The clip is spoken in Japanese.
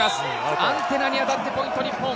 アンティアに当たってポイント日本。